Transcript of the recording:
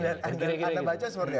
anda baca sepertinya apa